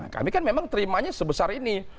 kami kan memang terimanya sebesar ini